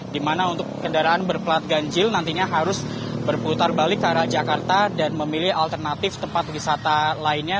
di mana untuk kendaraan berplat ganjil nantinya harus berputar balik ke arah jakarta dan memilih alternatif tempat wisata lainnya